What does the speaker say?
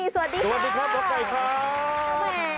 สวัสดีครับสวัสดีครับน้องไก่ครับ